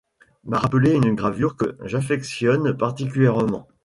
M’a rappelé une gravure que j’affectionne particulièrement.